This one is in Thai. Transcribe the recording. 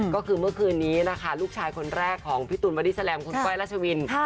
ก็คือเมื่อคืนนี้นะคะลูกชายคนแรกของพี่ตูนบอดี้แลมคุณก้อยรัชวิน